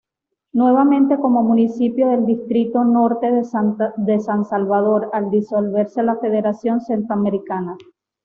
Nuevamente como municipio del Distrito Norte de San Salvador, al disolverse la Federación Centroamericana.